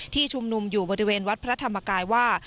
ชุมนุมอยู่บริเวณวัดพระธรรมกายว่า